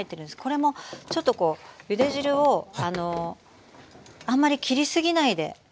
これもちょっとこうゆで汁をあんまりきりすぎないで。